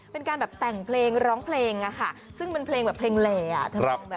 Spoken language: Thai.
เป็นการแบบแต่งเพลงร้องเพลงอะค่ะซึ่งเป็นเพลงแบบเพลงเลอ่ะ